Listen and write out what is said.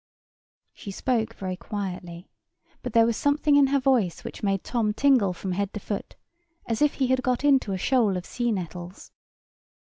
She spoke very quietly; but there was something in her voice which made Tom tingle from head to foot, as if he had got into a shoal of sea nettles.